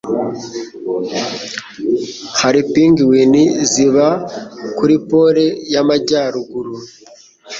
Hari pingwin ziba kuri Pole y'Amajyaruguru?